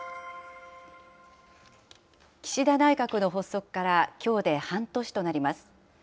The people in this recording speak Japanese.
岸田内閣の発足からきょうで半年となります。